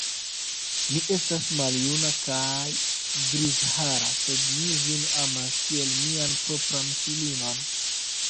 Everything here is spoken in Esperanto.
Mi estas maljuna kaj grizhara, sed mi vin amas kiel mian propran filinon.